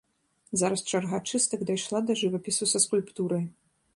Зараз чарга чыстак дайшла да жывапісу са скульптурай.